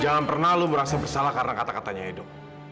jangan pernah kamu merasa bersalah karena kata katanya edu